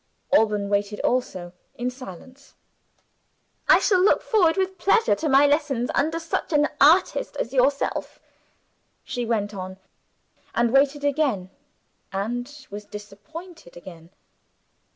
Alban waited also in silence. "I shall look forward with pleasure to my lessons under such an artist as yourself," she went on, and waited again, and was disappointed again.